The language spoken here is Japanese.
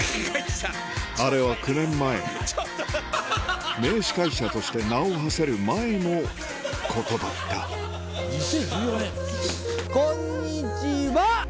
あれは９年前名司会者として名をはせる前のことだったこんにちは！